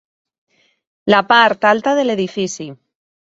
La part alta de l'edifici.